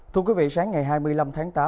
thưa quý vị sáng ngày hai mươi năm tháng tám